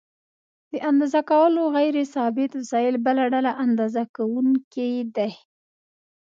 د اندازه کولو غیر ثابت وسایل بله ډله اندازه کوونکي دي.